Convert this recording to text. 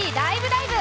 ライブ！」